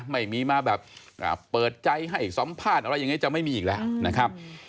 ไม่มีมาแบบเปิดใจให้สัมภาษณ์อะไรอย่างนี้จะไม่มีอีกแล้วนะครับ